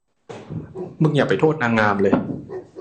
มึงอย่าไปโทษนางงามเลย